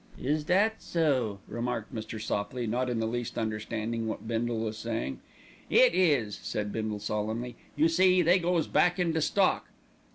"Is that so?" remarked Mr. Sopley, not in the least understanding what Bindle was saying. "It is," said Bindle solemnly; "you see, they goes back into stock."